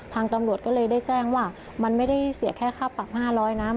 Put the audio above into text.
ทางตำรวจก็เลยได้แจ้งว่ามันไม่ได้เสียแค่ค่าปรับ๕๐๐นะ